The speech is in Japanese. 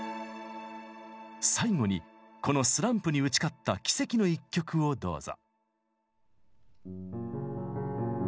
最後にこのスランプに打ち勝った奇跡の一曲をどうぞ。